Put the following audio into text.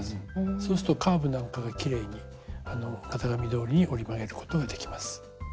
そうするとカーブなんかがきれいに型紙どおりに折り曲げることができます。